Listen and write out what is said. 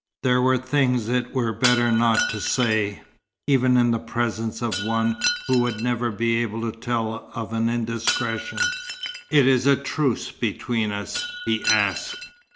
There were things it were better not to say, even in the presence of one who would never be able to tell of an indiscretion. "It is a truce between us?" he asked.